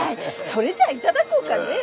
それじゃあ頂こうかねえ。